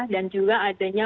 dan juga ada